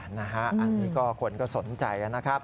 อันนี้ก็คนก็สนใจนะครับ